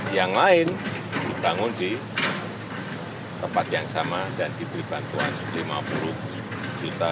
yang lain dibangun di tempat yang sama dan diberi bantuan rp lima puluh juta rp dua puluh lima juta rp sepuluh juta